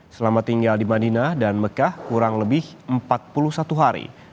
selama tinggal di madinah dan mekah kurang lebih empat puluh satu hari